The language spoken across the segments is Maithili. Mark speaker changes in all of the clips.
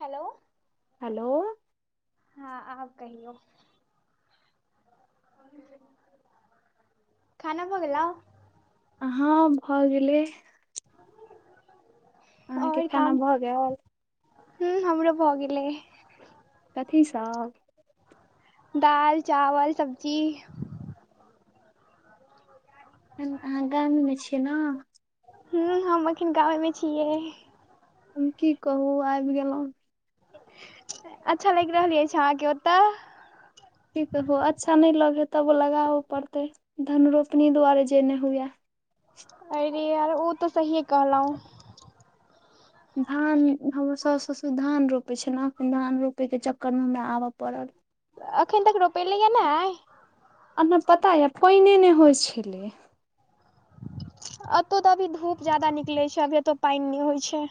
Speaker 1: हेलो।
Speaker 2: हेलो।
Speaker 1: हँ आब कहियौ। खाना भऽ गेलौ।
Speaker 2: हँ भऽ गेलै। अहाँके
Speaker 1: आओर
Speaker 2: खाना
Speaker 1: काम
Speaker 2: भऽ गेल
Speaker 1: ह्म हमरो भऽ गेलै।
Speaker 2: कथी सब?
Speaker 1: दाल चावल सब्जी।
Speaker 2: अहाँ गामे मे छियै ने।
Speaker 1: हूँ हम अखन गावेमे छियै।
Speaker 2: हम की कहू आबि गेलहुँ।
Speaker 1: अच्छा लगि रहल अछि अहाँके ओतय।
Speaker 2: की कहबो अच्छा नै लगे तबो लगाबा पड़तै धन रोपनी दुआरे जे नहि हुए।
Speaker 1: आइरे यार ओ तऽ सहीए कहलौ।
Speaker 2: धान हमर सास ससुर धान रोपै छै नऽ धान रोपयके चक्करमे हमरा आब पड़ल
Speaker 1: अखन तक रोपेलैया नाइ।
Speaker 2: आ नऽ पता या पाइने नहि होइ छलैया
Speaker 1: अतौ तऽ अभी धूप जादा निकलै छै अभी एतौ पानि नहि होइ छै।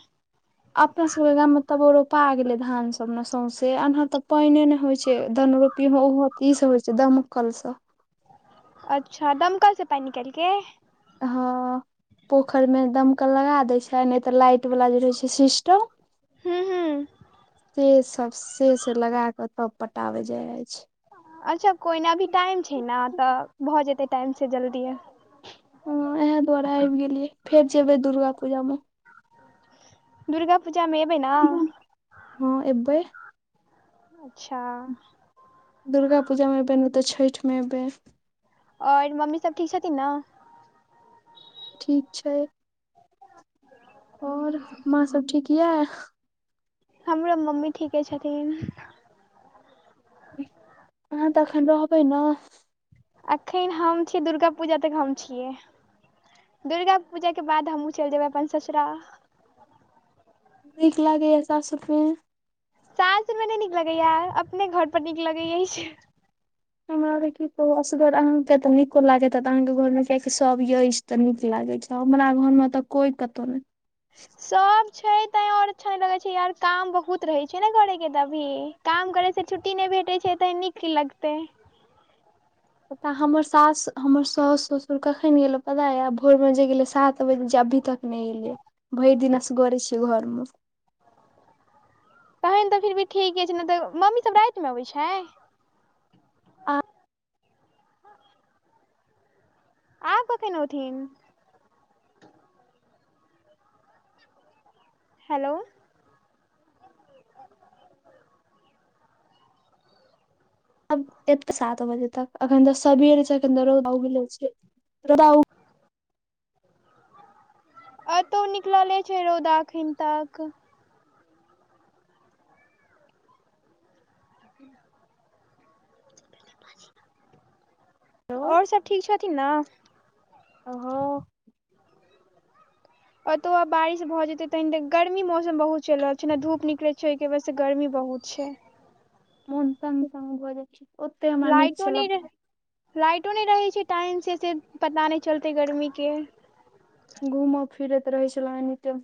Speaker 2: अपना सब के गाम में तबो रोपा गेलै धान सब ने सौंसे ऐनहर तऽ पानि ने होइ छै धन रोप पीब ओहो ई सब होय छै दमकल स
Speaker 1: अच्छा दमकल से पाइन निकाइल के।
Speaker 2: हँ। पोखरि में दमक लगा दैय छै नहि तऽ लाइट वाला जे रहै छै सिस्टम।
Speaker 1: हूँ हूँ
Speaker 2: से सब से से लगा कऽ तब पटाबे जाय अछि।
Speaker 1: अच्छा कोइ नऽ अभी टाइम छै ने तऽ भऽ जेतै टाइम सँ जल्दिए।
Speaker 2: ह इएह दुआरे आबि गेलियै फेर जेबै दुर्गा पूजा में
Speaker 1: दुर्गा पूजामे एबै ने?
Speaker 2: हँ एबै।
Speaker 1: अच्छा!
Speaker 2: दुर्गा पूजा मे एबै नहि तऽ छठिमे एबै।
Speaker 1: ओर मम्मी सभ ठीक छथिन ने।
Speaker 2: ठीक छै। आओर माँ सब ठीक या।
Speaker 1: हमरो मम्मी ठीके छथिन।
Speaker 2: अहाँ तऽ एखन रहबै न।
Speaker 1: एखन हम छी दुर्गा पूजा तक हम छियै। दुर्गा पूजाक के बाद हमूँ चलि जेबै अपन ससुरा।
Speaker 2: नीक लागे या सासुर में?
Speaker 1: सासुर मे नहि नीक लगैया अपने घर पर नीक लगैय अईछ।
Speaker 2: हमरा आरके की कहु असगर आहाके त नीको लागेत हेत अहाँके घर मे कियाक सब यछ! तऽ नीक लागे छै हमरा घर मे तऽ कोई कतहु नहि।
Speaker 1: सब छै तैं आओर अच्छा नहि लगै छै यार काम बहुत रहै छै ने करे के त अभी। काम करैसँ छुट्टी नहि भेटैत छै तऽ नीक की लगतै।
Speaker 2: तऽ हमर सास हमर साउस ससुर कखन गेलहु पता य भोरमे जे गेलै सात बजे अभी तक नय एले भरि दिन असग़रे छियै घरमे।
Speaker 1: तहन तऽ फिर भी ठीके छै ने तऽ मम्मीसभ रातिमे अबैत छै। आ कखन ओथीन। हेलो! [unintelligible]
Speaker 2: ब एत सात बजे तक अखन तऽ सबेर छै अखन त रौउदा उगेले छै रौउदा
Speaker 1: एतौ निकलले छै रौदा अखन तक। आओर सभ ठीक छथिन ने।
Speaker 2: आ हाँ।
Speaker 1: ओतो आब बारिश भए जेते तह ते गर्मी मौसम बहुत चलि रहल छै ने धूप निकले छै छै ओहिके वजेह से गर्मी बहुत छै।
Speaker 2: मोन तंग तंग भऽ जाइ छै ओते हमरा नीक
Speaker 1: लाइटो
Speaker 2: छल।
Speaker 1: नहि रह लाइटो नहि रहै छै टाइमसँ से पता नहि चलतै गर्मीके।
Speaker 2: घूम फिरैत रहै छलहु एनीते।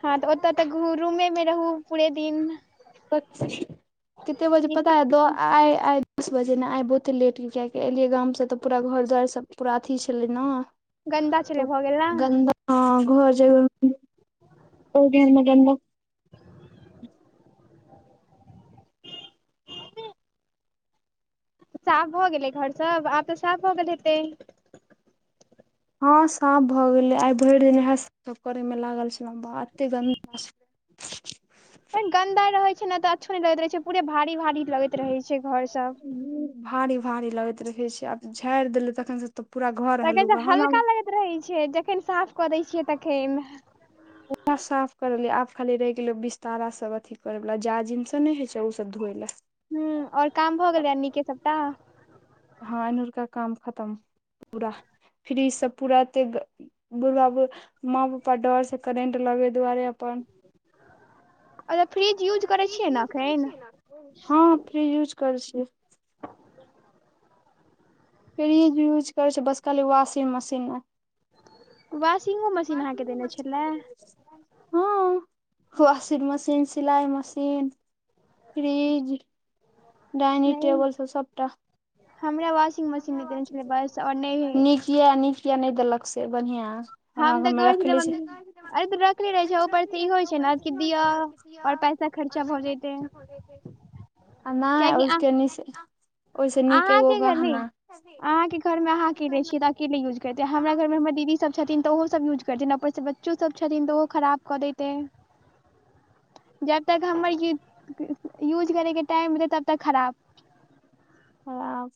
Speaker 1: हँ तऽ ओतऽ तऽ घ रूमे मे रहू पूरे दिन।
Speaker 2: पक्षी। कते बजे
Speaker 1: ई
Speaker 2: पता अय आई आई दस बजे में आइ बहुते लेट किएकी एलियै गाम से त पूरा घर दु्वार सब पूरा अथी छलै ने
Speaker 1: गन्दा छलै
Speaker 2: तऽ
Speaker 1: भऽ गेल ने
Speaker 2: गन्दा हँ घर जा म [unintelligible]
Speaker 1: साफ भऽ गेलै घर सब आब तऽ साफ भ गेल हेतै?
Speaker 2: हँ साफ भऽ गेलै आइ भरि दिन इएह सब करयमे लागल छलौ बा एतेक गन्दा छल [unintelligible]
Speaker 1: गन्दा रहै छै ने तऽ अच्छो नहि लगैत रहै छै पूरे भारी भारी लगैत रहै छै घर सब।
Speaker 2: भारी भारी लगैत रहे छै आब झाड़ि देल तखन से त पूरा घर
Speaker 1: तखन
Speaker 2: हलुक
Speaker 1: तऽ
Speaker 2: हमा
Speaker 1: हल्का लगैत रहै छै जखैन साफ कऽ दै छियै तखैन।
Speaker 2: पुरा साफ कर लियै आब खाली रहि गेलै बिस्तारा सभ अथी करयवला जाजिम सब नहि होइ छै ओसभ धोए लए।
Speaker 1: हूं और काम भऽ गेलय अनीके सबटा?
Speaker 2: हँ अनूर का काम खतम। पूरा फ्री स पूरा ते बुढ़बा माँ पापा डर से करेंट लगै दुआरे अपन
Speaker 1: अच्छा फ्रिज यूज करै
Speaker 2: फ्रिज
Speaker 1: छियै ने
Speaker 2: युज करै
Speaker 1: एखन
Speaker 2: छियै न। हँ फ्रीज यूज करै छियै। फ्रिज यूज करै छियै बस खाली वाशिंग मशीन नय।
Speaker 1: वाशिंगो मशीन अहाँके देने
Speaker 2: मशीन अहाँ
Speaker 1: छलै?
Speaker 2: के लेने छियै। हँ वाशिंग मशीन, सिलाइ मशीन, फ्रिज डाइनिंग
Speaker 1: नहि
Speaker 2: टेबल सब सबटा
Speaker 1: हमरा वाशिंग मशीन नहि देने छलै बस आओर नहि
Speaker 2: नीक किया नीक या नै देलक से बढ़िया।
Speaker 1: हम
Speaker 2: हमरा घर
Speaker 1: त
Speaker 2: मे
Speaker 1: कहै छलियै
Speaker 2: रखले छै।
Speaker 1: मम्मी अरे त रखले रहै छै ऊपर स इहो होइ छैय न कि दियऽ और पैसा खर्चा भ जइतेै।
Speaker 2: आ नय उसके निसे
Speaker 1: अहाँ के घर नीक अहाँ के घरमे अहाँ अकेले छियै त के यूज करतै हमरा घरमे हमर दीदी सभ छथिन त ओहो सब यूज करथिन न ऊपर स बच्चो सभ छथिन त ओहो खराब कऽ देयतै। जबतक हमर यु यूज करैके टाइम एतै तबतक खराब।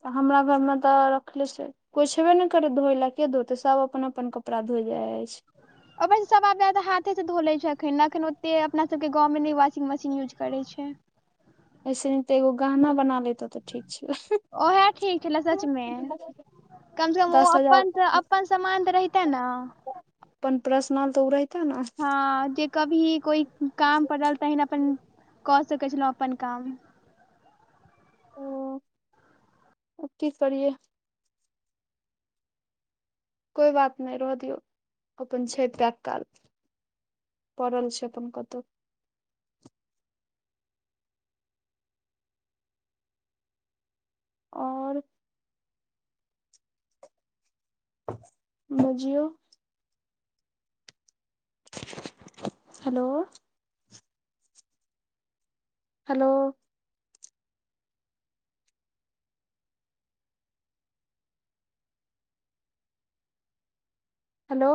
Speaker 2: ह हमरा घरमे त रखले छैय। कोइ छेबे नै करै धोय लए के धोतय सभ अपन- अपन कपड़ा धोइ जाइ-जाइ छैय।
Speaker 1: अपन सभ आब जादा हाथे स धोलय छैय एखन- एखन ओते अपना सभके गाँवमे नै वाशिंग मशीन यूज करै छैय।
Speaker 2: अइ स नीक त एगो गहना बना लैतौं।
Speaker 1: ओहै ठीक छले सचमे। कम से कम ओ
Speaker 2: दस
Speaker 1: अपन-
Speaker 2: हजार
Speaker 1: अपन समान त रहिते न।
Speaker 2: अपन प्रशनल त उ रैह
Speaker 1: हँ जे कभी कोइ काम परल तहैन अपन कऽ सकै छलौं अपन काम।
Speaker 2: हँ अब की करियै। कोइ बात नै रहऽ दियौ अपन छैय तात्काल। पड़ल छैय अपन कतौ। और। बुझियौ। हेलो। हेलो। हेलो।